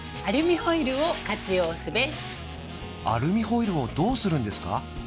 アルミホイルをどうするんですか？